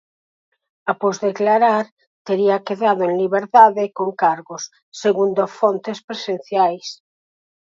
Após declarar, tería quedado en liberdade con cargos, segundo fontes presenciais.